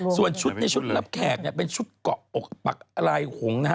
ส่วนชุดในชุดรับแขกเนี่ยเป็นชุดเกาะอกปักลายหงนะฮะ